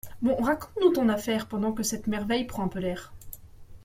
Bon, raconte-nous ton affaire pendant que cette merveille prend un peu l’air.